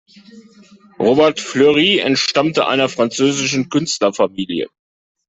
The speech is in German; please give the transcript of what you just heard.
Robert-Fleury entstammte einer französischen Künstlerfamilie.